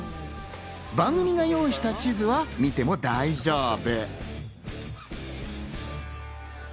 番組が用意した地図は見ても大丈夫。